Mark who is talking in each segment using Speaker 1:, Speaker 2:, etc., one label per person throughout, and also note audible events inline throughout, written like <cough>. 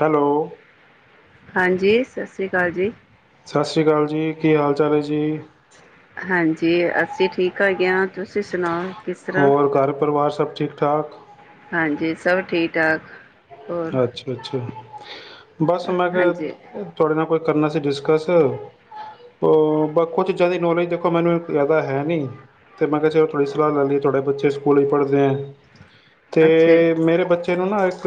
Speaker 1: Hello.
Speaker 2: ਹਾਂਜੀ ਸਤਿ ਸ੍ਰੀ ਅਕਾਲ ਜੀ।
Speaker 1: ਸਤਿ ਸ਼੍ਰੀ ਅਕਾਲ ਜੀ ਕੀ ਹਾਲ ਚਾਲ ਹੈ ਜੀ।
Speaker 2: ਹਾਂਜੀ ਅਸੀਂ ਠੀਕ ਹੈਗੇ ਹਾਂ ਤੁਸੀਂ ਸੁਣਾਓ। ਕਿਸ ਤਰ੍ਹਾਂ?
Speaker 1: ਹੋਰ ਘਰ ਪਰਿਵਾਰ ਸਭ ਠੀਕ ਠਾਕ।
Speaker 2: ਹਾਂਜੀ ਸਭ ਠੀਕ-ਠਾਕ।
Speaker 1: ਅੱਛਾ-ਅੱਛਾ। ਬਸ ਮੈਂ ਕਿਹਾ
Speaker 2: ਹਾਂਜੀ,
Speaker 1: ਉਹ ਤੁਹਾਡੇ ਨਾ ਕੋਈ ਕਰਨਾ ਸੀ ਡਿਸਕਸ ਕੁਝ ਚੀਜ਼ਾਂ ਦੀ ਨੌਲੇਜ ਦੇਖੋ ਮੈਨੂੰ ਜ਼ਿਆਦਾ ਹੈ ਨਹੀਂ ਤੇ ਮੈਂ ਕਿਹਾ ਚਲ ਤੁਹਾਡੀ ਸਲਾਹ ਲੈ ਲਈਏ ਤੁਹਾਡੇ ਬੱਚੇ ਸਕੂਲ ਵਿੱਚ ਪੜ੍ਹਦੇ ਹੈ।
Speaker 2: ਅੱਛਾ,
Speaker 1: ਤੇ ਮੇਰੇ ਬੱ ਤੈਨੂੰ ਨਾ ਇੱਕ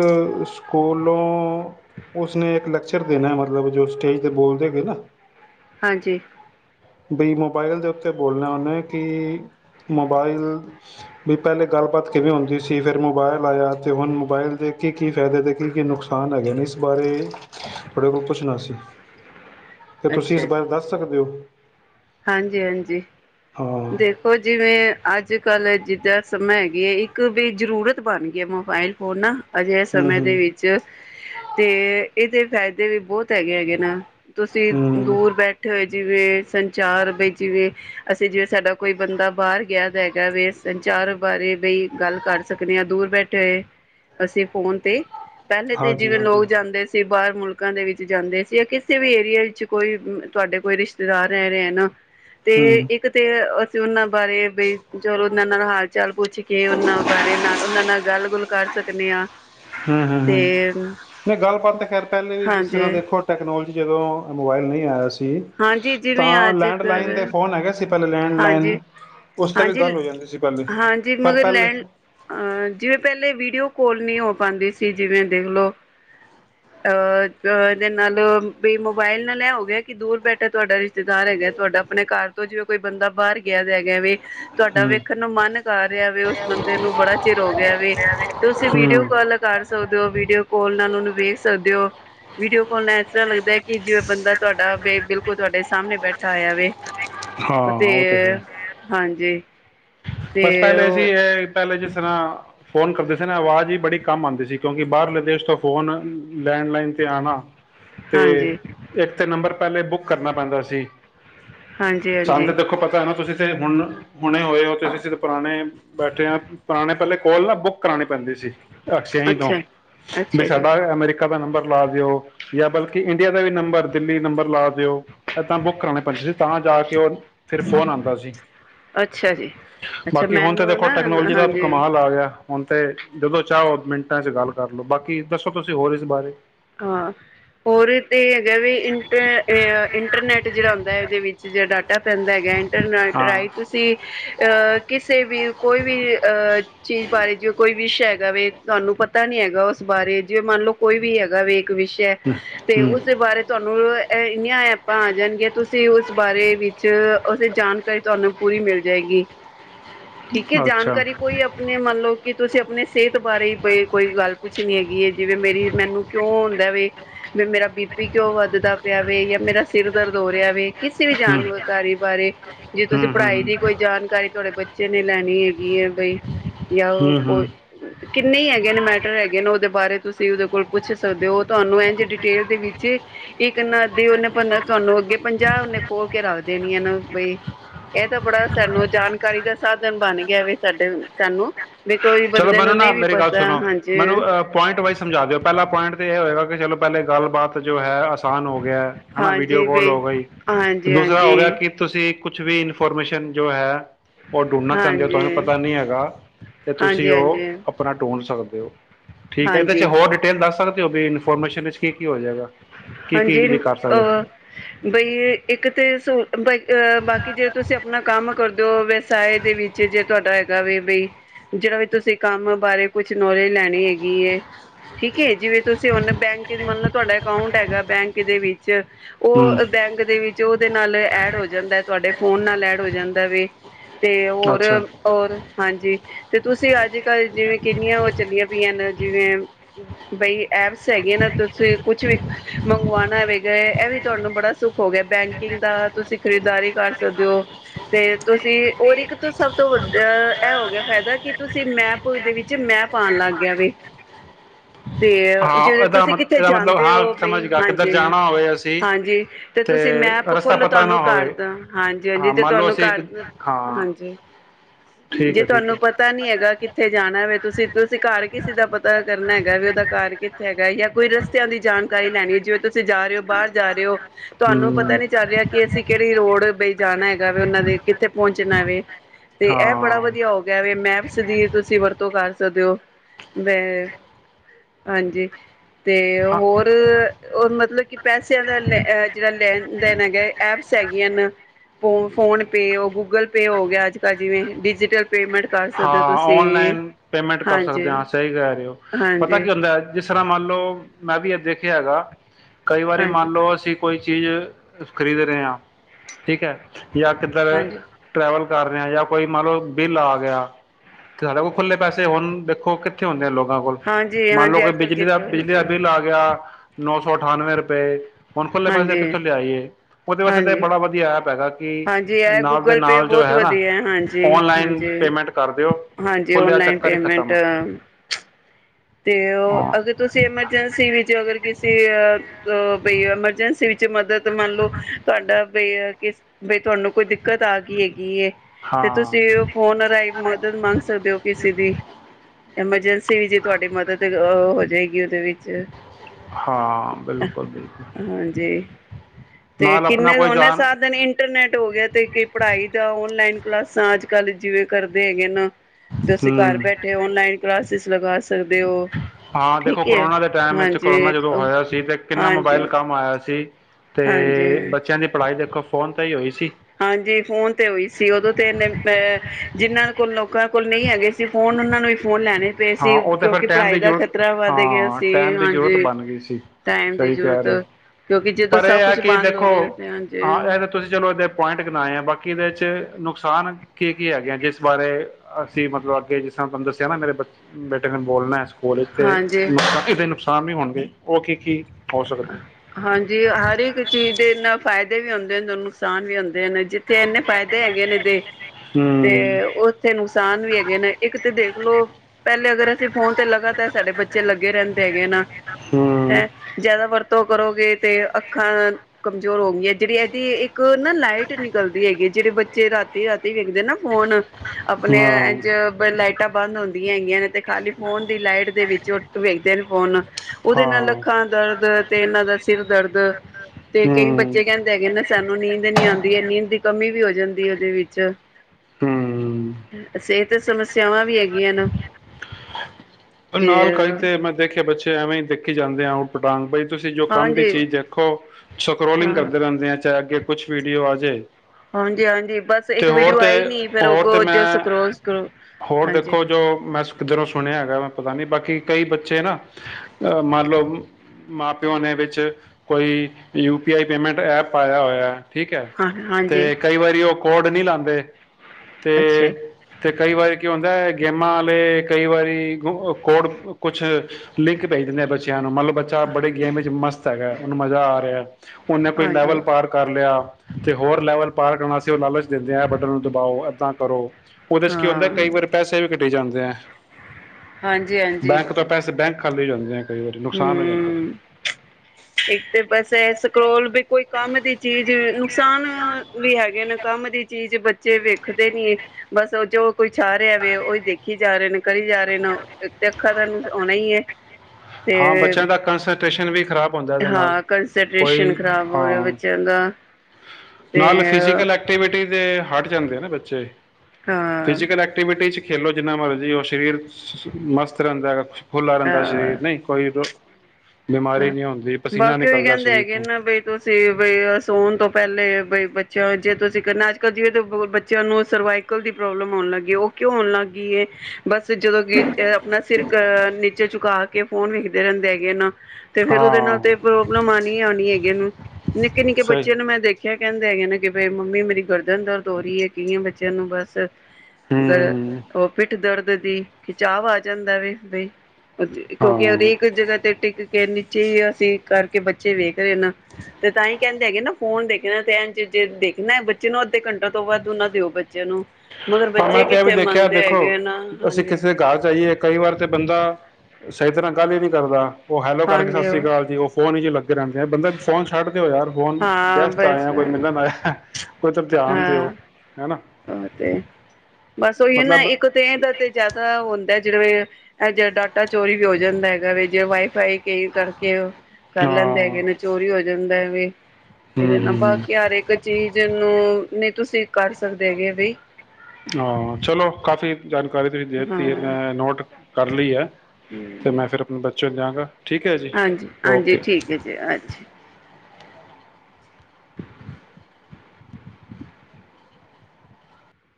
Speaker 1: ਸਕੂਲੋਂ ਉਸਨੇ ਇੱਕ ਲੈਕਚਰ ਦੇਣਾ ਮਤਲਬ ਜੋ ਸਟੇਜ ਤੇ ਬੋਲਦੇ ਹੈਗੇ ਨਾ।
Speaker 2: ਹਾਂਜੀ
Speaker 1: ਬਈ ਮੋਬਾਇਲ ਦੇ ਉੱਤੇ ਬੋਲਣਾ ਉਹੇਨੇ ਕਿ ਮੋਬਾਇਲ ਵੀ ਪਹਿਲੇ ਗੱਲਬਾਤ ਕਿਵੇਂ ਹੁੰਦੀ ਸੀ ਫੇਿਰ ਮੋਬਾਇਲ ਆਇਆ ਤੇ ਹੁਣ ਮੋਬਾਇਲ ਦੇ ਕੀ ਕੀ ਫਾਇਦੇ ' ਕੀ ਕੀ ਨੁਕਸਾਨ ਹੈਗੇ ਨੇ ਇਸ ਬਾਰੇ ਤੁਹਾਡੇ ਕੋਲ ਪੁੱਛਣਾ ਸੀ। ਤੇ ਤੁਸੀਂ ਇਸ
Speaker 2: ਅੱਛਾ ਜੀ।
Speaker 1: ਬਾਰੇ ਦੱਸ ਸਕਦੇ ਹੋ
Speaker 2: ਹਾਂਜੀ ਹਾਂਜੀ
Speaker 1: ਹਾਂ
Speaker 2: ਦੇਖੋ ਜਿਵੇਂ ਅੱਜ ਅੱਜ ਕੱਲ ਜਿੱਦਾਂ ਸਮਾਂ ਹੈਗਿ ਇੱਕ ਵੀ ਜ਼ਰੂਰਤ ਬਣ ਗਈ ਹੈ। ਮੋਬਾਇਲ ਫੋਨ ਨਾ ਅਜਿਹੇ
Speaker 1: ਹੂੰ
Speaker 2: ਸਮੇਂ ਦੇ
Speaker 1: ਹੂੰ
Speaker 2: ਵਿੱਚ ਤੇ ਇਹਦੇ ਫਾਇਦੇ ਵੀ ਬਹੁਤ ਹੈਗੇ- ਹੈਗੇ ਨਾ ਤੁਸੀਂ
Speaker 1: ਹੂੰ
Speaker 2: ਦੂਰ ਬੈਠੇ ਹੋਏ ਜਿਵੇਂ ਸਹੀ ਸੰਚਾਰ ਵਿੱਚ ਵਿ, ਅਸੀਂ ਜਿਵੇਂ ਸਾਡਾ ਕੋਈ ਬੰਦਾ ਬਾਹਰ ਗਿਆ ਹੈਗਾ ਪਵੀ ਸੰਚਾਰ ਬਾਰੇ ਗੱਲ ਕਰ ਸਕਦੇ ਹਾਂ ਦੂਰ ਬੈਠੇ ਹੋਏ ਅਸੀਂ ਫੋਨ ਤੇ ਪਹਿਲੇ ਤੇ
Speaker 1: ਹਾਂਜੀ
Speaker 2: ਜਿਵੇਂ
Speaker 1: ਹਾਂਜੀ
Speaker 2: ਲੋਕ
Speaker 1: ਹੂੰ
Speaker 2: ਜਾਂਦੇ ਸੀ। ਬਾਹਰ ਮੁਲਕਾਂ ਦੇ ਵਿੱਚ ਜਾਂਦੇ ਸੀ ਜਾਂ ਕਿਸੇ ਵੀ ਏਰੀਏ ਵਿੱਚ ਕੋਈ ਤੁਹਾਡੇ ਕੋਈ ਰਿਸ਼ਤੇਦਾਰ ਰਹਿ ਰਿਹਾ ਹੈ ਨਾ ਤੇ
Speaker 1: ਹੂੰ
Speaker 2: ਇੱਕ ਤੇ ਨਾ <inaudible> ਬਾਰੇ ਵੀ ਚਲੋ ਉਹਨਾਂ ਨਾਲ ਹਾਲ ਚਾਲ ਪੁੱਛ ਕੇ ਉਹਨਾਂ ਬਾਰੇ ਨਾਲ ਉਹਨਾਂ ਨਾਲ ਗੱਲ ਗੁੱਲ ਕਰਕੇ ਸਕਨੇ ਹਾਂ
Speaker 1: ਹਾ- ਹਾ-ਹਾ
Speaker 2: ਤੇ
Speaker 1: ਨਹੀਂ ਗੱਲਬਤ ਖੈਰ ਪਹਿਲੇ ਵੀ ਜਿਸ ਤਰ੍ਹਾਂ
Speaker 2: ਹਾਂਜੀ
Speaker 1: ਦੇਖੋ ਟੈਕਨੋਲਜੀ ਜਦੋਂ ਮੋਬਾਇਲ ਨਹੀਂ ਆਇਆ ਸੀ।
Speaker 2: ਹਾਂਜੀ ਜਿਵੇਂ
Speaker 1: ਤਾਂ
Speaker 2: ਅੱਜ
Speaker 1: ਲੈਂਡ ਲਈਨ ਦੇ
Speaker 2: ਕੱਲ
Speaker 1: ਫੋਨ ਹੈਗੇ ਸੀ। ਪਹਿਲੇ ਲੈਂਡਲਾਈਨ
Speaker 2: ਹਾਂਜੀ
Speaker 1: ਉਸ 'ਤੇ ਵੀ
Speaker 2: -ਹਾਂਜੀ
Speaker 1: ਗੱਲ ਹੋ ਜਾਂਦੀ ਸੀ ਪਹਿਲੇ
Speaker 2: -ਹਾਂਜੀ
Speaker 1: ਪਰ
Speaker 2: ਮਗਰ
Speaker 1: ਪਹਿਲੇ
Speaker 2: ਲੈਡ ਜਿਵੇਂ ਪਹਿਲੇ ਵੀਡੀਓ ਕੋਲ ਨਹੀਂ ਹੋ ਪਾਉਂਦੀ ਸੀ ਜਿਵੇਂ ਦੇਖਲੋ ਅਹ ਇਹਦੇ ਨਾਲ ਵੀ ਮੋਬਾਇਲ ਨਾਲ ਲ ਹੋ ਗਿਆ ਕਿ ਦੂਰ ਬੈਠਾ ਤੁਹਾਡਾ ਰਿਸ਼ਤੇਦਾਰ ਹੈਗਾ ਤੁਹਾਡਾ ਆਪਣੇ ਘਰ ਤੋਂ ਜਿਵੇਂ ਕੋਈ ਬੰਦਾ ਬਾਹਰ ਗਿਆ ਹੈਗਾ ਵੇ ਤੁਹਾਡਾ
Speaker 1: ਹੂੰ
Speaker 2: ਵੇਖਣ ਨੂੰ ਮਨ ਕਰ ਰਿਹਾ ਵ ਉਸ ਬੰਦੇ ਨੂੰ ਬੜਾ ਚਿਰ ਹੋ ਗਿਆ ਵ ਤੁਸੀਂ ਵੀਡੀਓ
Speaker 1: ਹੂੰ
Speaker 2: ਕਾਲ ਕਰ ਸਕਦੇ ਹੋ ਵੀਡੀਓ ਕਾਲ ਨਾਲ ਵੇ- ਕਰ ਸਕਦੇ ਹੋ ਵੀਡੀਓ ਕਲ ਇਸ ਤਰ੍ਹਾਂ ਲੱਗਦਾ ਹੈ। ਕਿ ਜਿਵੇਂ ਬੰਦਾ ਤੁਹਾਡਾ ਬਿਲਕੁਲ ਤੁਹਾਡੇ ਸਾਹਮਣੇ ਬੈਠਾ ਹੋਇਆ ਵੇ।
Speaker 1: ਹਾਂ
Speaker 2: ਉਤੇ
Speaker 1: ਉਹ ਤੇ ਹੈ
Speaker 2: ਹਾਂਜੀ ਤੇ
Speaker 1: ਬਸ ਪਹਿਲੇ
Speaker 2: ਉਹ
Speaker 1: ਐਸੀੇ ਹੈ। ਪਹਿਲੇ ਜਿਸ ਤਰ੍ਹਾਂ ਫੋਨ ਕਰਦੇ ਸੀ ਨਾ ਆਵਾਜ਼ ਹੀ ਬੜੀ ਕੰਮ ਆਉਂਦੀ ਸੀ ਕਿਉਂਕਿ ਬਾਹਰਲੇ ਦੇਸ਼ ਤੋਂ ਫੋਨ ਲੈਂਡ ਲਈਨ ਤੇ ਆਉਣਾ ਤੇ
Speaker 2: ਹਾਂਜੀ
Speaker 1: ਇੱਕ ਤੇ ਨੰਬਰ ਪਹਿਲੇ ਬੁੱਕ ਕਰਨਾ ਪੈਂਦਾ ਸੀ।
Speaker 2: ਹਾਂਜੀ
Speaker 1: ਸਾਨੂੰ
Speaker 2: ਹਾਂਜੀ
Speaker 1: ਤੇ ਦੇਖੋ ਪਤਾ ਹੈ ਨਾ ਤੁਸੀਂ ਹੁਣ ਹੁਣੇ ਹੋਏ ਹੋ ਪੁਰਾਣੇ ਬੈਠੇਿਆਂ ਪੁਰਾਣੇ ਪਹਿਲੇ ਕੋਲ ਨਾ ਬੁੱਕ ਕਰਾਉਣੀ ਪੈਂਦੀ ਸੀ। ਏਕਸ ਚੇਂਜ ਤੋਂ
Speaker 2: ਅੱਛਾ
Speaker 1: ਵੀ
Speaker 2: ਅੱਛਾ ਜੀ
Speaker 1: ਸਾਡਾ ਅਮਰੀਕਾ ਕਾ ਦਾ ਨੰਬਰ ਲਾ ਦਿਓ ਜਾਂ ਬਲਕਿ ਇੰਡੀਆ ਦਾ ਵੀ ਨੰਬਰ ਦਿੱਲੀ ਨੰਬਰ ਲਾ ਦਿਓ। ਏਦਾਂ ਬੁੱਕ ਕਰਾਉਣੇ ਪੈਂਦੇ ਸੀ ਤਾਂ ਜਾ ਕੇ ਉਹ ਫਿਰ ਫੋਨ ਆਉਂਦਾ ਸੀ।
Speaker 2: ਅੱਛਾ ਜੀ ਅੱਛਾ
Speaker 1: ਬਾਕੀ ਹੁਣ ਤਾਂ
Speaker 2: ਮੈਨੂੰ
Speaker 1: ਦੇਖੋ
Speaker 2: ਨਾ
Speaker 1: ਟੈਕਨੋਲੋਜੀ ਦਾ
Speaker 2: ਹਾਂਜੀ
Speaker 1: ਕਮਾਲ ਆ ਗਿਆ। ਹੁਣ ਤੇ ਜਦੋ ਚਾਓ ਓਰ ਮਿੰਟ ਚ ਗੱਲ ਕਰ ਲੋ ਬਾਕੀ ਕੀ ਦੱਸੋ ਤੁਸੀਂ ਹੋਰ ਇਸ ਬਾਰੇ
Speaker 2: ਹਾਂ ਹੋਰ ਤੇ ਹੈਗਾ ਵੀ ਇੰਟਰ ਐ ਇੰਟਰਨੈਟ ਜਿਹੜਾ ਹੁੰਦਾ ਹੈ ਇਹਦੇ ਵਿੱਚ ਜਿਹੜਾ ਡਾ ਟਾ ਪੈਂਦਾ ਹੈਗਾ ਇੰਟਰਨੈਟ
Speaker 1: ਹਾਂ
Speaker 2: ਰਾਹੀਂ ਤੁਸੀਂ ਅਹ ਕਿਸੇ ਵੀ ਕੋਈ ਵੀ ਅਹ ਚੀਜ਼ ਬਾਰੇ ਜੋ ਕੋਈ ਵੀ ਸ਼ੈਰ ਗਾ ਵ ਤੁਹਾਨੂੰ ਪਤਾ ਨੀ ਹੈਗਾ ਉਸ ਬਾਰੇ ਜੇਵੇਂ ਮੰਨ ਲਓ ਕੋਈ ਵੀ ਹੈਗਾ ਗਵੇ ਇੱਕ ਵਿਸ਼ਾ ਹੈ ਤੇ
Speaker 1: ਹੂੰ
Speaker 2: ਉਸਦੇ ਬਾਰੇ ਤੁਹਾਨੂੰ ਆ ਇੰਨੀਆਂ ਐਪਾਂ ਆ ਜਾਣਗੀਆਂ ਤੁਸੀਂ ਉਸ ਬਾਰੇ ਵਿੱਚ ਉਸਦੀ ਜਾਣਕਾਰੀ ਤੁਹਾਨੂੰ ਪੂਰੀ ਮਿਲ ਜਾਏਗੀ ਠੀਕ ਹੈ
Speaker 1: ਅੱਛਾ
Speaker 2: ਜਾਣਕਾਰੀ ਕੋਈ ਆਪਣੇ ਮੰਨ ਲਓ ਕਿ ਤੁਸੀਂ ਆਪਣੇ ਸਿਹਤ ਬਾਰੇ ਕੋਈ ਗੱਲ ਪੁੱਛਣੀ ਹੈਗੀ ਹੈ ਜਿਵੇਂ ਮੇਰੀ ਮੈਨੂੰ ਉਹ ਹੁੰਦਾ ਵੀ, ਵੀ ਮੇਰਾ ਬੀਪੀ ਕਿਉਂ ਵੱਧ ਦਾ ਪਿਆ ਵੇ ਜਾਂ ਮੇਰਾ ਸਿਰ ਦਰਦ ਹੋ ਰਿਹਾ ਵੋ। ਕਿਸੇ ਵੀ
Speaker 1: ਹੂੰ ਹੂੰ
Speaker 2: ਜਾਣਕਾਰੀ ਬਾਰੇ, ਜੇ ਤੁਸੀਂ
Speaker 1: ਹੂੰ ਹੂੰ
Speaker 2: ਪੜ੍ਹਾਈ ਦੀ ਕੋਈ ਜਾਣਕਾਰੀ, ਤੁਹਾਡੇ ਬੱਚੇ ਨੇ ਲੈਣੀ ਹੈਗੀ ਹੈ। ਬਈ, ਜਾਂ ਉਹ
Speaker 1: ਹੂੰ
Speaker 2: ਕੋਈ,
Speaker 1: ਹੂੰ
Speaker 2: ਕਿੰਨੇ ਹੈਗੇ ਨੇ ਮੈਟਰ ਹੈਗੇ ਨੇ। ਉਹਦੇ ਬਾਰੇ ਤੁਸ ਤੇ ਉਹਦੇ ਕੋਲ ਪੁੱਛ ਸਕਦੇ ਹੋ। ਤੁਹਾਨੂੰ ਇੰਝ ਡਿਟੇਲ ਦੇ ਵਿੱਚ ਇੱਕ ਨਾ ਅੱਧੀ, ਉਹਨੇ ਪਨਾ ਤੁਹਾਨੂੰ ਅੱਗੇ ਪੰਜਾਹ ਉਹਨੇ ਖੋਲ ਕੇ ਰੱਖ ਦੇਣੀਆਂ ਨਾ ਬਈ। ਇਹ ਤਾਂ ਬੜਾ ਸਾਨੂੰ, ਜਾਣਕਾਰੀ ਦਾ ਸਾਧਨ ਬਣ ਗਿਆ ਵੀ ਸਾਡੇ, ਸਾਨੂੰ ਵੀ ਕੋਈ
Speaker 1: ਚਲੋ
Speaker 2: ਬੰਦੇ ਨੂੰ
Speaker 1: ਮੈਨੂੰ ਨਾ
Speaker 2: ਨਹੀਂ ਵੀ
Speaker 1: ਮੇਰੀ ਗੱਲ
Speaker 2: ਪਤਾ
Speaker 1: ਸੁਣੋ
Speaker 2: ਹਾਂਜੀ
Speaker 1: ਮੈਨੂੰ ਅਹ ਪੁਆਇੰਟ ਵਾਈਜ਼ ਸਮਝਾ ਦਿਓ। ਪਹਿਲਾ ਪੁਆਇੰਟ ਤੇ ਇਹ ਹੋਏਗਾ ਕਿ ਚਲੋ ਪਹਿਲੇ ਗੱਲਬਾਤ ਜੋ ਹੈ ਆਸ ਤਾਂਨ ਹੋ ਗਿਆ ਹਨਾ ਵੀਡੀਓ
Speaker 2: ਹਾਂਜੀ
Speaker 1: ਕਾਲ
Speaker 2: ਬਈ
Speaker 1: ਹੋ ਗਈ ਤੇ
Speaker 2: ਹਾਂਜੀ
Speaker 1: ਦੂਸਰਾ ਹੋ
Speaker 2: ਹਾਂਜੀ
Speaker 1: ਗਿਆ ਕਿ ਤੁਸੀਂ ਕੁਛ ਵੀ ਇਨਫੋਰਮੇਸ਼ਨ ਜੋ ਹੈ ਉਹ ਡੂੰਡਣਾ ਚਾਹੁੰਦੇ ਹੋ
Speaker 2: ਹਾਂਜੀ
Speaker 1: ਤੁਹਾਨੂੰ ਪਤਾ ਨਹੀਂ ਹੈਗਾ। ਤੁਸੀਂ
Speaker 2: ਹਾਂਜੀ
Speaker 1: ਉਹ
Speaker 2: ਹਾਂਜੀ
Speaker 1: ਆਪਣਾ ਟੋਂਨ ਕਰ ਸਕ ਕਰ ਦਿਓ ਠੀਕ ਹੈ ਇਹਦੇ ਚੇ
Speaker 2: ਹਾਂਜੀ
Speaker 1: ਹੋਰ ਡਿਟੇਲ ਦੱਸ ਸਕ ਬਈ ਇਨਫੋਰਮੇਸ਼ਨ ਵਿੱਚ ਕੀ ਕੀ ਹੋ ਜਾਏਗਾ। ਕੀ ਕੀ
Speaker 2: ਹਾਂਜੀ
Speaker 1: ਦੀ ਕਰ ਸਕਦੇ
Speaker 2: ਅਹ ਬਈ ਇੱਕ ਤੇ ਸੋਲ ਬਾਈ ਬਾਕੀ ਜੇੇ ਤੁਸੀਂ ਆਪਣਾ ਕੰਮ ਕਰ ਦਿਓ ੳਵੇ ਸਏ ਦੇ ਵਿੱਚ ਜੇ ਤੁਹਾਡਾ <unintelligible> ਵੀ ਬਈ ਜਿਹੜਾ ਵੀ ਤੁਸੀਂ ਕੰਮ ਬਾਰੇ ਕੁਛ ਨੌਲੇਜ ਲੈਣੀ ਹੈਗੀ ਏ, ਠੀਕ ਜਿਵੇਂ ਤੁਸ ਉਹ ਬੈਂਕ ਮਤਲਬ ਤੁਹਾਡਾ ਅਕਾਊਂਟ ਹੈਗਾ ਬੈਂਕ ਦੇ ਵਿਚ
Speaker 1: ਹੂੰ
Speaker 2: ਉਹ ਬੈਂਕ ਦੇ ਵਿੱਚ ਉਹਦੇ ਨਾਲ ਐਡ ਹੋ ਜਾਂਦਾ ਤੁਹਾਡੇ ਫੋਨ ਨਾਲ ਐਡ ਹੋ ਜਾਂਦਾ <unintelligible> ਤੇ ਹੋਰ
Speaker 1: ਅੱਛਾ
Speaker 2: ਹੋਰ ਹਾਂਜੀ ਤੇ ਤੁਸੀਂ ਅੱਜ ਕੱਲ ਜਿਵੇਂ ਕਿੰਨੀਆਂ ਉਹ ਚੱਲੀਆਂ ਪਈਆਂ ਨੇ ਜਿਵੇਂ ਬਈ, ਐਪਸ ਹੈਗੀਆ ਨੇ ਤੁਸੀਂ ਕੁਛ ਵੀ ਮੰਗਵਾਣਾ ਇਹ ਵੀ ਤੁਹਾਨੂੰ ਬੜਾ ਸੁੱਖ ਹੋ ਗਿਆ ਬੈਂਕਿੰਗ ਦਾ ਤੁਸੀਂ ਖਰੀਦਦਾਰੀ ਕਰ ਸਕਦੇ ਹੋ, ਤੇ ਤੁਸੀਂ ਹੋਰ ਇੱਕ ਸਭ ਤੋਂ ਵੱਡਾ ਇਹ ਹੋ ਗਿਆ ਫਾਇਦਾ ਕਿ ਤੁਸੀਂ ਮੈਪ ਦੇ ਵਿੱਚ ਜੇ ਮੈਂ ਪਾਉਣ ਲੱਗ ਗਿਆ ਵੀ, ਤੇ
Speaker 1: ਹਾਂ
Speaker 2: ਜਿਵੇਂ
Speaker 1: ਇਹਦਾ
Speaker 2: ਤੁਸੀਂ
Speaker 1: ਮਤ-
Speaker 2: ਕਿੱਥੇ
Speaker 1: ਇਹਦਾ ਮਤਲਬ
Speaker 2: ਜਾਂਦੇ ਹੋ,
Speaker 1: ਹਾਂ ਸਮਝ ਗਿਆ ਕਿੱਧਰ
Speaker 2: ਹਾਂਜੀ,
Speaker 1: ਜਾਣਾ ਹੋਵੇ ਅਸੀਂ
Speaker 2: ਹਾਂਜੀ ਤੇ ਤੁਸੀਂ ਮੈਪ
Speaker 1: ਰਸਤਾ
Speaker 2: ਖੋਲੋ
Speaker 1: ਪਤਾ
Speaker 2: ਤੁਹਾਨੂੰ
Speaker 1: ਨਾ
Speaker 2: ਘਰ
Speaker 1: ਹੋਵੇ
Speaker 2: ਦਾ ਹਾਂਜੀ- ਹਾਂਜੀ
Speaker 1: ਹਾਂ
Speaker 2: ਜੇ
Speaker 1: ਮੰਨ ਲਓ
Speaker 2: ਤੁਹਾਨੂੰ
Speaker 1: ਅਸੀਂ ਇੱਕ
Speaker 2: ਘਰ
Speaker 1: ਹਾਂ
Speaker 2: ਹਾਂਜੀ
Speaker 1: ਠੀਕ
Speaker 2: ਜੇ
Speaker 1: ਹੈ ਠੀਕ
Speaker 2: ਤੁਹਾਨੂੰ
Speaker 1: ਹੈ।
Speaker 2: ਪਤਾ ਨੀ ਹੈਗਾ ਕਿੱਥੇ ਜਾਣਾ ਤੁਸੀਂ ਤੁਸੀਂ ਘਰ ਕਿਸੇ ਦਾ ਪਤਾ ਕਰਨਾ ਹੈਗਾ ਵੀ ਦਾ ਘਰ ਕਿੱਥੇ ਹੈਗਾ ਜਾਂ ਕੋਈ ਰਸਤਿਆਂ ਦੀ ਜਾਣ ਕਰ ਲੈਣੀ ਜਿਵੇਂ ਤੁਸੀਂ ਤੇ ਜਾ ਰਹੇ ਹੋ ਬਾਹਰ ਜਾ ਰਹੇ ਹੋ ਤੁਹਾਨੂੰ ਪਤਾ
Speaker 1: ਹੂੰ।
Speaker 2: ਨੀ ਚੱਲ ਰਿਹਾ ਕਿ ਅਸੀਂ ਕਿਹੜੀ ਰੋਡ ਜਾਣਾ ਹੈਗਾ ਉਹਨਾਂ ਦੇ ਕਿੱਥੇ ਪਹੁੰਚਣਾ, ਤੇ ਇਹ ਬੜਾ
Speaker 1: ਹਾਂ।
Speaker 2: ਵਧੀਆ ਹੋ ਗਿਆ ਵੇ ਮੈਪਸ ਦੀ ਤੁਸੀਂ ਵਰਤੋਂ ਕਰ ਸਕਦੇ ਹੋ। ਵੈਂ, ਹਾਂਜੀ। ਤੇ
Speaker 1: ਹਾਂ
Speaker 2: ਹੋਰ, ਉਹ ਮਤਲਬ ਕਿ ਪੈਸਿਆਂ ਦਾ ਜਿਹੜਾ ਲੈਣ ਦੇਣ ਹੈਗਾ ਐਪਸ ਹੈਗੀਆਂ ਨੇ, ਫੋਨ ਪੇ ਉਹ ਗੂਗਲ ਪੇ ਹੋ ਗਿਆ ਅੱਜ ਕੱਲ੍ਹ ਜਿਵੇਂ ਡਿਜੀਟਲ ਪੇਮੈਂਟ ਕਰ ਸਕਦੇ ਹੋ
Speaker 1: ਹਾਂ
Speaker 2: ਤੁਸੀਂ
Speaker 1: ਆਨਲਾਈਨ ਪੇਮੈਂਟ ਕਰ ਸਕਦੇ
Speaker 2: ਹਾਂਜੀ
Speaker 1: ਹਾਂ ਸਹੀ ਕਹਿ ਰਹੇ ਹੋ, ਪਤਾ
Speaker 2: ਹਾਂਜੀ
Speaker 1: ਕੀ ਹੁੰਦਾ ਜਿਸ ਤਰ੍ਹਾਂ ਮੰਨ ਲਓ ਚਲੋ ਮੈਂ ਵੀ ਇਹ ਦੇਖਿਆ ਹੈਗਾ, ਕਈ ਵਾਰੀ
Speaker 2: ਹਾਂਜੀ
Speaker 1: ਮੰਨ ਲਓ ਅਸੀਂ ਕੋਈ ਚੀਜ਼ ਖਰੀਦ ਰਹੇ ਹਾਂ, ਠੀਕ ਹੈ। ਜਾਂ ਕਿੱਧਰ
Speaker 2: ਹਾਂਜੀ
Speaker 1: ਟਰੈਵਲ ਕਰ ਰਿਹਾ ਜਾਂ ਕੋਈ ਮੰਨ ਲਓ ਬਿੱਲ ਆ ਗਿਆ, ਤੇ ਸਾਡੇ ਕੋਲ ਖੁੱਲੇ ਪੈਸੇ ਹੁਣ, ਦੇਖੋ ਕਿੱਥੇ ਹੁੰਦੇ ਆ ਲੋਕ <unintelligible> ਕੋਲ
Speaker 2: ਹਾਂਜੀ
Speaker 1: ਮੰਨ ਲਓ
Speaker 2: ਹਾਂਜੀ
Speaker 1: ਕਿ
Speaker 2: ਅੱਜ ਕੱਲ੍ਹ
Speaker 1: ਬਿਜਲੀ ਦਾ
Speaker 2: ਕੀਤਾ
Speaker 1: ਬਿਜਲੀ ਦਾ
Speaker 2: ਹਾਂਜੀ
Speaker 1: ਬਿੱਲ ਆ ਗਿਆ, ਨੌ ਸੌ ਅਠਾਨਵੇਂ ਰੁਪਏ। ਹੁਣ ਖੁੱਲ੍ਹੇ ਪੈਸੇ
Speaker 2: ਹਾਂਜੀ
Speaker 1: ਕਿੱਥੋਂ ਲਿਆਈਏ, ਉਹਦੇ ਵਾਸਤੇ ਤਾਂ ਇਹ
Speaker 2: ਹਾਂਜੀ
Speaker 1: ਬੜਾ ਵਧੀਆ ਐਪ ਹੈਗਾ ਕਿ
Speaker 2: ਹਾਂਜੀ ਇਹ
Speaker 1: ਨਾਲ ਦੇ
Speaker 2: ਗੂਗਲ ਪੇ
Speaker 1: ਨਾਲ ਜੋ
Speaker 2: ਬਹੁਤ
Speaker 1: ਹੈ ਨਾ
Speaker 2: ਵਧੀਆ ਹਾਂਜੀ
Speaker 1: ਆਨਲਾਈਨ
Speaker 2: ਹਾਂਜੀ
Speaker 1: ਪੇਮੈਂਟ ਕਰ ਦਿਓ
Speaker 2: ਹਾਂਜੀ
Speaker 1: ਖੁੱਲਿਆ
Speaker 2: ਆਨਲਾਈਨ
Speaker 1: ਚੱਕਰ ਹੀ ਖਤਮ
Speaker 2: ਪੇਮੈਂਟ
Speaker 1: ਆ
Speaker 2: ਤੇ
Speaker 1: ਹਾਂ
Speaker 2: ਉਹ ਅਗਰ ਤੁਸੀਂ ਐਮਰਜੈਂਸੀ ਵਿੱਚ ਅਗਰ ਕਿਸੇ ਅ ਬਈ ਐਮਰਜੈਂਸੀ ਵਿੱਚ ਮਦਦ ਮੰਨ ਲਓ ਤੁਹਾਡਾ, ਬ ਕਿਸ ਬਈ ਤੁਹਾਨੂੰ ਕੋਈ ਦਿੱਕਤ ਆ ਗਈ ਹੈਗੀ ਤੇ
Speaker 1: ਹਾਂ
Speaker 2: ਤੁਸੀਂ ਫੋਨ ਰਾਹੀਂ ਮਦਦ ਮੰਗ ਸਕਦੇ ਹੋ ਕਿਸੇ ਦੀ ਐਮਰਜੈਂਸੀ ਵੀ ਜ ਮਦਦ ਤੇ ਹੋ ਜਾਏਗੀ ਉਹਦੇ ਵਿੱਚ
Speaker 1: ਹਾਂ ਬਿਲਕੁਲ ਬਿਲਕੁਲ
Speaker 2: ਹਾਂਜੀ, ਤੇ
Speaker 1: ਨਾਲ ਆਪਣਾ
Speaker 2: ਕਿੰਨੇ
Speaker 1: ਕੋਈ
Speaker 2: ਉਹਨੇ
Speaker 1: ਜਾਨ
Speaker 2: ਸਾਧਨ ਇੰਟਰਨੈਟ ਹੋ ਗਿਆ ਤੇ ਕੀ ਪੜ੍ਹਾਈ ਦਾ ਔਨਲਾਈਨ ਕਲਾਸਾਂ ਚ ਕੱਲ੍ਹ ਜਿਵੇਂ ਕਰਦੇ ਹੈਗੇ ਨਾ, ਵੀ ਅਸੀਂ ਘਰ
Speaker 1: ਹੂੰ
Speaker 2: ਬੈਠੇ ਔਨਲਾਈਨ ਕਲਾਸਿਸ ਲਗਾ ਸ
Speaker 1: ਹਾਂ ਦੇਖੋ, ਕਰੋਨਾ ਦੇ ਟਾਈਮ ਵਿੱਚ ਕਰੋਨਾ
Speaker 2: ਹਾਂਜੀ
Speaker 1: ਜਦੋਂ ਹੋਇਆ ਸੀ ਤੇ ਕਿੰਨਾ
Speaker 2: ਹਾਂਜੀ
Speaker 1: ਮੋਬਾਇਲ ਕੰਮ ਆਇਆ ਸੀ। ਤੇ
Speaker 2: ਹਾਂਜੀ
Speaker 1: ਬੱਚਿਆਂ ਦੀ ਪੜ੍ਹਾਈ ਦੇਖੋ ਫੋਨ ਤੇ ਹੀ ਹੋਈ। ਸੀ
Speaker 2: ਹਾਂਜੀ ਫੋਨ ਤੇ ਹੋਈ ਸੀ, ਉਦੋਂ ਤੇ ਇਹਨੇ ਅਹ ਜਿਹਨਾਂ ਕੋਲ ਲੋਕਾਂ ਕੋਲ ਨਹੀਂ ਹੈਗੇ ਸੀ ਫੋਨ ਉਨਾ ਉਹਨਾ ਦੇ ਫੋਨ ਪਏ
Speaker 1: ਹਾਂ
Speaker 2: ਸੀ
Speaker 1: ਉਹ ਤੇ ਫਿਰ
Speaker 2: ਕਿਉਂਕਿ
Speaker 1: ਟਾਈਮ ਦੀ
Speaker 2: ਪੜ੍ਹਾਈ ਦਾ
Speaker 1: ਜ਼ਰੂਰਤ
Speaker 2: ਖ਼ਤਰਾ ਵੱਧ ਗਿਆ
Speaker 1: ਹਾਂ
Speaker 2: ਸੀ,
Speaker 1: ਟਾਈਮ ਦੀ ਜ਼ਰੂਰਤ
Speaker 2: ਹਾਂਜੀ
Speaker 1: ਬਣ ਗਈ ਸੀ
Speaker 2: ਟਾਈਮ ਦੀ
Speaker 1: ਸਹੀ ਕਹਿ ਰਹੇ ਹੋ
Speaker 2: ਜਰੂਰਤ ਕਿਉਂਕਿ ਜਦੋਂ
Speaker 1: ਪਰ
Speaker 2: ਸਭ
Speaker 1: ਇਹ ਹੈ,
Speaker 2: ਕੁਛ
Speaker 1: ਕਿ
Speaker 2: ਬੰਦ ਹੋ
Speaker 1: ਦੇਖੋ
Speaker 2: ਗਿਆ ਸੀ ਹਾਂਜੀ
Speaker 1: ਹਾਂ ਇਹ ਤਾਂ ਤੁਸੀਂ ਚਲੋ ਇਹਦੇ। ਪੁਆਇੰਟ ਗਿਣਾਏ ਏ ਐ ਬਾਕੀ ਇਹਦੇ ਚ ਨੁਕਸਾਨ ਕੀ, ਕੀ ਹੈਗੇ ਆ ਜਿਸ ਬਾਰੇ ਅਸੀਂ ਮਤਲਬ ਅੱਗੇ ਜਿਸ ਤਰ੍ਹਾਂ ਤੁਹਾਨੂੰ ਦੱਸਿਆ ਨਾ ਮੇਰੇ ਬਚ ਬੇਟੇ ਨੇ ਬੋਲਨਾ। ਬੋਲੇ ਤੇ
Speaker 2: ਹਾਂਜੀ
Speaker 1: ਮੈ <inaudible> ਇਹਦੇ ਨੁਕਸਾਨ ਵੀ ਹੋਣ ਕੀ ਔ ਕੀ ਕੀ ਹੋ ਸਕਦੇ।
Speaker 2: ਹਾਂਜੀ ਹਰ ਇੱਕ ਚੀਜ਼ ਦੇ ਇੰਨਾ ਫਾਇਦੇ ਦੇ ਵੀ ਹੁੰਦੇ ਤੇ ਨੁਕਸਾਨ ਵੀ ਹੁੰ ਦੇ ਨੇ ਜਿੱਥੇ ਇੰਨੇ ਫ਼ਾਇਦੇ ਹੈਗੇ ਨੇ ਇਹਦੇ, ਤੇ
Speaker 1: ਹੂੰ
Speaker 2: ਉੱਥੇ ਨੁਕਸਾਨ ਵੀ ਹੈਗੇ ਨੇ ਇੱਕ ਤੇ ਦੇਖਲੋ ਪਹਿਲੇ ਅਗਰ ਅਸੀਂ ਫੋਨ ਤੇ ਲਗਾਤਰ ਸਾਡੇ ਬੱਚੇ ਲੱਗੇ ਰਹਿੰਦੇ ਹੈਗੇ ਨਾ,
Speaker 1: ਹੂੰ
Speaker 2: ਹੈਂ। ਦਾ ਵਰਤੋਂ ਕਰੋਗੇ ਤੇ ਅੱਖਾਂ ਕਮਜ਼ੋਰ ਹੋ ਗੀਆ ਜਿਹੜੀ ਇਹਦੀ ਇੱਕ ਨਾ ਲਾਈਟ ਨਿਕਲਦੀ ਹੈਗੀ, ਜਿਹੜੇ ਬੱਚੇ ਬੱਚੇ ਰਾਤੀ-ਰਾਤੀ ਵੇਖਦੇ ਨਾ ਫੋਨ। ਆਪਣੇ
Speaker 1: ਹਾਂ
Speaker 2: ਇੰਝ, ਬੀ ਲਾਈਟਾਂ ਬੰਦ ਹੁੰਦੀਆਂ। ਹੈਗੀਆਂ ਨੇ ਤੇ ਖਾਲੀ ਫੋਨ ਦੀ ਲਾਈਟ ਦੇ ਵਿੱਚ, ਉਹ ਵੇਖਦੇ ਨੇ ਫੋਨ। ਉਹਦੇ ਨਾਲ
Speaker 1: ਹਾਂ
Speaker 2: ਅੱਖਾਂ ਦਰਦ ਤੇ ਇਹਨਾਂ ਦਾ ਸਿਰ ਦਰਦ ਤੇ ਕਈ
Speaker 1: ਹੂੰ
Speaker 2: ਬੱਚੇ ਕਹਿੰਦੇ ਹੈਗੇ ਨਾ ਸਾਨੂੰ ਨੀਂਦ ਨੀ ਆਦੀ ਦੀ ਹੈ ਨੀਂਦ ਦੀ ਕਮੀ ਵੀ ਹੋ ਜਾਂਦੀ ਔਹਦੇ ਵਿੱਚ। ਆ
Speaker 1: ਹੂੰ
Speaker 2: ਸੇਹਤ, ਤੇ ਸਮੱਸਿਆਵਾਂ ਵੀ ਹੈਗੀਆਂ। ਵੀ ਹੈ ਨਾ।
Speaker 1: ਤੇ ਨਾਲ ਕਈ ਤੇ ਮੈਂ ਦੇਖੇ, ਬੱਚੇ ਐਵੇਂ ਹੀ ਦੇਖੀ ਜਾਂਦੇ ਆ ਉਹ ਪਟਾਂਗ ਭਾਈ ਤੁਸੀਂ ਜੋ ਕੰਮ ਦੀ
Speaker 2: ਹਾਂਜੀ
Speaker 1: ਚੀਜ਼ ਦੇਖੋ। ਸਕਰੋਲਿੰਗ
Speaker 2: ਹਾਂ
Speaker 1: ਕਰਦੇ ਰਹਿੰਦੇ ਆ ਚਾਹੇ ਅੱਗੇ ਕੁਛ ਵੀਡੀਓ ਆ ਜਾਵੇ
Speaker 2: ਹਾਂਜੀ-ਹਾਂਜੀ ਬਸ ਇੱਕ
Speaker 1: ਤੇ ਹੋਰ
Speaker 2: ਵੀਡੀਓ ਆਈ
Speaker 1: ਤੇ,
Speaker 2: ਨੀ ਫੇਰ
Speaker 1: ਹੋਰ
Speaker 2: ਅੱਗੋਂ
Speaker 1: ਤੇ
Speaker 2: ਜੋ
Speaker 1: ਮੈਂ,
Speaker 2: ਸਕਰੋਲ ਸਕਰੋ
Speaker 1: ਹੋਰ
Speaker 2: ਹਾਂਜੀ
Speaker 1: ਦੇਖੋ ਜੋ ਮੈਂ ਕਿੱਧਰੋਂ ਸੁਣਿਆ ਹੈਗਾ। ਨਹੀਂ, ਬਾਕੀ ਕਈ ਬੱਚੇ ਨਾ ਮੰਨ ਲਓ, ਮਾਂ-ਪਿਓ ਨੇ ਵਿੱਚ, ਕੋਈ U P I payment app ਪਾਇਆ ਹੋਇਆ। ਠੀਕ ਹੈ
Speaker 2: ਹਾਂ
Speaker 1: ਤੇ
Speaker 2: ਹਾਂਜੀ
Speaker 1: ਕਈ ਵਾਰੀ ਉਹ ਕੋਡ ਨੀ ਲਾਂਦੇ। ਤੇ,
Speaker 2: ਅੱਛਾ
Speaker 1: ਤੇ ਕਈ ਵਾਰੀ ਕੀ ਹੁੰਦਾ ਹੈ। ਗੇਮਾਂ ਹਲੇ ਕਈ ਵਾਰੀ ਔ ਕੋਡ, ਕੁਛ ਲਿੰਕ ਭੇਜ ਦਿੰਦੇ ਆ ਬੱਚਿਆਂ ਨੂੰ। ਮਤਲਬ ਬੱਚਾ ਬੜੀ ਗੇਮ ਚ ਮਸਤ ਹੈਗਾ, ਉਹਨੂੰ ਮਜ਼ਾ ਆ ਰਿਹਾ। ਉਹਨੇ ਕੋਈ
Speaker 2: ਹਾਂਜੀ
Speaker 1: ਲੈਵਲ ਪਾਰ ਕਰ ਲਿਆ। ਤੇ ਹੋਰ ਲੈਵਲ ਪਾਰ ਕਰਨਾ ਸੀ। ਉਹ ਲਾਲਚ ਦਿੰਦੇ ਆ। ਇਹ ਬੱਟਨ ਨੂੰ ਦਬਾਓ, ਏਦਾਂ ਕਰੋ। ਉਦੇ ਚ ਕੀ ਹੁੰਦਾ,
Speaker 2: ਹਾਂ
Speaker 1: ਕਈ ਵਾਰ ਪੈਸੇ ਵੀ ਕ ਤੇ ਜਾਂਦੇ ਆ।
Speaker 2: ਹਾਂਜੀ-ਹਾਂਜੀ
Speaker 1: ਬੈਂਕ ਤੋਂ ਪੈਸੇ ਬੈਂਕ ਖਾਲੀ ਜਾਂਦੀਆਂ।
Speaker 2: ਹੂੰ, ਇੱਕ ਤੇ ਬਸ ਇਹ ਸਕਰੋਲ ਵੀ ਕੋਈ ਕੰਮ ਦੀ ਚੀਜ਼ ਨੁਕਸਾਨ ਵੀ ਹੈਗੇਨ। ਕੰਮ ਦੀ ਚੀਜ਼ ਬੱਚੇ ਵੇਖਦੇ ਨੀ ਬਸ ਉਹ ਜੋ ਕੁਛ ਆਰਿਆ ਹੈਵੇ ਉਹੀ ਦੇਖੀ ਜਾ ਰਹੇ ਨੇ ਕਰੀ ਜਾ ਰਹੇ ਨੇ ਇੱਕ ਤੇ ਅੱਖਾ ਦ ਹੋਣਾ ਹੀ ਹੈ। ਤੇ
Speaker 1: ਹਾਂ, ਬੱਚਿਆਂ ਦਾ ਕੰਨਸਨਟ੍ਰੇਸ਼ਨ ਵੀ ਖਰਾਬ
Speaker 2: ਹਾਂ ਕੰਸਟੇਸ਼ਨ ਖ਼ਰਾਬ ਹੋ ਰਿਹਾ
Speaker 1: ਹਾਂ
Speaker 2: ਬੱਚਿਆਂ ਦਾ <inaudible> ਤੇ
Speaker 1: ਨਾਲ ਫਿਜੀਕਲ ਐਕਟੀਵਿਟੀ ਦੇ ਹਟ ਜਾਂਦੇ ਨੇ ਬੱਚੇ। ਫਿਜੀਕਲ ਐਕਟੀਵਿਟੀ ਚ ਖੇਲੋ ਜਿੰਨਾ ਮਰਜ਼ੀ ਉਹ ਸਰੀਰ ਮਸਤ ਰਹਿੰਦਾ ਹੈਗਾ। ਖੁੱਲਾ ਰਹਿੰਦਾ ਸਰੀਰ ਨਹੀਂ ਕੋਈ ਬਿਮਾਰੀ
Speaker 2: ਹਾ
Speaker 1: ਨਹੀਂ ਹੁੰਦੀ ਪਸੀਨਾ
Speaker 2: ਬਾਕੀ ਉਹੀ
Speaker 1: ਨਿਕਲਦਾ
Speaker 2: ਕਹਿੰਦੇ
Speaker 1: ਸਰੀਰ
Speaker 2: ਹੈਗੇ
Speaker 1: ਤੋਂ
Speaker 2: ਨਾ ਬਈ ਤੁਸੀਂ ਬਈ ਆਸੁਣ ਤੋਂ ਪਹਿਲੇ ਬਈ ਬੱਚਿਆਂ ਜੇ ਤੁਸੀਂ ਕਹਦੇ ਅੱਜ-ਕੱਲ ਜਿਵੇਂ ਬੱਚਿਆਂ ਨੂੰ ਸਰਵਾਈਕਲ ਦੀ ਪ੍ਰੋਬਲਮ ਹੋਣ ਲੱਗਗੀ ਉਹ ਕਿਉਂ ਹੋਣ ਲੱਗਈ ਏ ਬਸ ਜਦੋਂ ਕਿ ਆਪਣਾ ਸਿਰ ਨੀਚੇ ਛੁਕਾ ਕੇ ਫ਼ੋਨ ਵੇਖਦੇ ਰਹਿੰਦੇ ਹੈਗੇ ਨਾ। ਤੇ ਫੇਰ ਉਹਦੇ ਨਾਲ
Speaker 1: ਹਾਂ
Speaker 2: ਤੇ ਪ੍ਰੋਬਲਮ ਆਉਣੀ-ਆਉਣੀ ਹੈਗੀ ਹੈ ਨਿੱਕੇ-ਨਿੱਕੇ
Speaker 1: ਸਹੀ
Speaker 2: ਬੱਚਿਆਂ ਨੂੰ ਮੈਂ ਦੇਖਿਆ ਕਹਿੰਦੇ ਹੈਗੇ ਨੇ ਕਿ ਬ ਮੰਮੀ ਮੇਰੀ ਗਰਦਨ ਦਰਦ ਹੋ ਰਹੀ ਹੈ ਕਿ ਹੈ ਬੱਚਿਆਂ ਨੂੰ ਬਸ ਗਰ
Speaker 1: ਹੂੰ
Speaker 2: ਉਹ ਪਿੱਠ ਦਰਦ ਦੀ ਖਿਚਾਵ ਆ ਜਾਂਦਾ ਵਈ ਕਿਉਂਕਿ
Speaker 1: ਹਾਂ
Speaker 2: ਹਰੇਕ ਜਗ੍ਹਾ ਤੇ ਟਿਕ ਵਿਚੇ ਹੀ ਅਸੀਂ ਕਰਕੇ ਬੱਚੇ ਵੇਖ ਤੇ ਤੇ ਤਾਂਹੀ ਕਹਿੰਦੇ ਹੈਗੇ ਨਾ ਫੋਨ ਦੇਖਣਾ ਤੇ ਇਜ ਜੇ ਦੇਖਣਾ ਬੱਚੇ ਨੂੰ ਅੱਧੇ ਘੰਟੇ ਤੋਂ ਵਧ ਉਹ ਨਾਂ ਦਿਓ ਬੱਚਿਆਂ ਨੂੰ ਮਗਰ
Speaker 1: ਹ ਮੈਂ
Speaker 2: ਬੱਚੇ
Speaker 1: ਤੇ ਇਹ ਵੀ
Speaker 2: ਕਿੱਥੇ
Speaker 1: ਦੇਖਿਆ
Speaker 2: ਮੰਨਦੇ
Speaker 1: ਦੇਖੋ
Speaker 2: ਹੈਗੇ ਨਾ
Speaker 1: ਅਸੀਂ
Speaker 2: ਹਾਂਜੀ
Speaker 1: ਕਿਸੇ ਗਾਹ ਚ ਆਈਏ ਕਈ ਵਾਰ ਤੇ ਬੰਦਾ ਸਹੀ ਤਰ੍ਹਾਂ ਗੱਲ ਹੀ ਨੀ ਕਰਦਾ। ਉਹ ਹੈਲੋ ਕਰਕੇ ਸਤਿ
Speaker 2: ਹਾਂਜੀ
Speaker 1: ਸ਼੍ਰੀ
Speaker 2: ਉਹ
Speaker 1: ਅਕਾਲੀ ਫੋਨ ਹੀ ਜੀ ਲੱਗੇ ਕਰਾਉਂਦੇ ਬੰਦਾ ਫੋਨ ਛੱਡ ਹੋ ਯਾਰ ਫੋਨ
Speaker 2: ਹਾਂ
Speaker 1: ਗੈਸਟ
Speaker 2: ਬਸ
Speaker 1: ਆਏਆ ਕੋਈ ਮਿਲਣ ਆਇਆ। ਕੁਛ ਗਿਆਨ ਦਿਓ
Speaker 2: ਹਾਂ
Speaker 1: ਹਨਾ।
Speaker 2: ਉਹ ਤੇ ਬਸ ਉਹੀ ਨਾ
Speaker 1: ਮਤਲਬ
Speaker 2: ਇੱਕ ਤੇ ਇਹ ਦਾ ਤੇ ਜਿਆਦਾ ਹੁੰਦਾ ਜਿਹੜਾ ਇਹ ਜਿ ਡਾਟਾ ਚੋਰੀ ਵੀ ਹੋ ਜਾਂਦਾ ਹੈਗਾ ਵ। ਜ ਵਾਈਫਾਈ ਕਈ ਕਰਕੇ ਉਹ ਕਰ ਲੈਂਦੇ
Speaker 1: ਹਾਂ
Speaker 2: ਹੈਗੇਨ ਚੋਰੀ ਹੋ ਜਾਂਦਾ। <unintelligible> ਇਹਦੇ
Speaker 1: ਹੂੰ
Speaker 2: ਨਾ
Speaker 1: ਹੂੰ
Speaker 2: ਬਾਕੀ ਹਰ ਇੱਕ ਚੀਜ਼ ਨੂੰ ਨਹੀਂ ਤੁਸੀਂ ਕਰ ਸਨ ਦੇਗੇ ਭਈ
Speaker 1: ਹਾਂ ਚਲੋ ਕਾਫੀ ਜਾਣਕਾਰੀ ਤੁਸੀਂ ਦੇ ਦਿੱਤੀ ਹੈ।
Speaker 2: ਹਾਂ
Speaker 1: ਮੈਂ ਨੋਟ ਕਰ ਲਈ ਹੈ ਤੇ ਮੈਂ ਫਿਰ ਆਪਣੇ ਬੱਚੇ ਨੂੰ ਦ <unintelligible>
Speaker 2: ਹਾਂਜੀ ਹਾਂਜੀ ਠੀਕ ਹੈ ਜੀ ਅੱਛਾ <inaudible>